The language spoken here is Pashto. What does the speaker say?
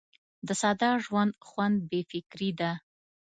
د ساده ژوند خوند بې فکري ده.